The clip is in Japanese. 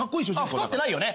太ってないよね？